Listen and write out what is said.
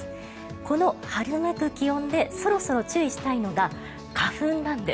この春めく気温でそろそろ注意したいのが花粉なんです。